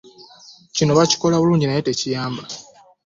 Kino bakikola bulijjo naye tekiyamba.